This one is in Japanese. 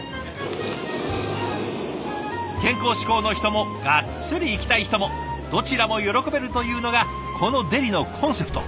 健康志向の人もガッツリいきたい人もどちらも喜べるというのがこのデリのコンセプト。